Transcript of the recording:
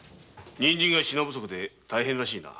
人参が品不足で大変らしいな。